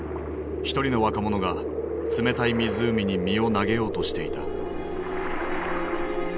一人の若者が冷たい湖に身を投げようとしていた。